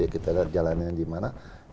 kita lihat jalannya dimana